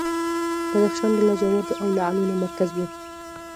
بدخشان د لاجوردو او لعلونو مرکز و